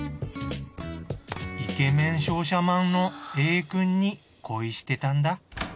イケメン商社マンのＡくんに恋してたんだ。